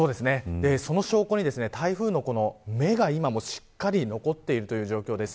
その証拠に、台風の目が今もしっかり残っている状況です。